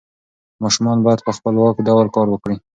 ماشومان باید په خپلواک ډول کار وکړي.